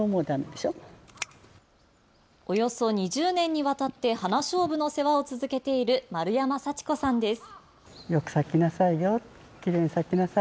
およそ２０年にわたって花しょうぶの世話を続けている丸山佐智子さんです。